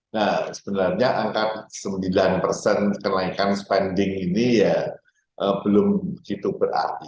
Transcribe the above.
nah sebenarnya angka sembilan persen kenaikan spending ini ya belum itu berarti